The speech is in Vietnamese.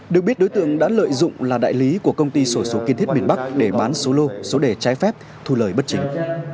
được biết đối tượng đã lợi dụng là đại lý của công ty sổ số kiên thiết miền bắc để bán số lô số đề trái phép thu lời bất chính